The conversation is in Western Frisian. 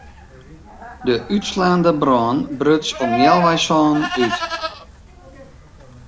De útslaande brân bruts om healwei sânen út.